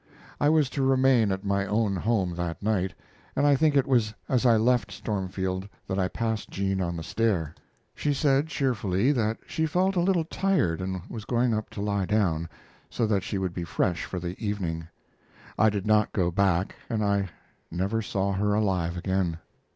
I was to remain at my own home that night, and I think it was as I left Stormfield that I passed jean on the stair. She said, cheerfully, that she felt a little tired and was going up to lie down, so that she would be fresh for the evening. I did not go back, and I never saw her alive again.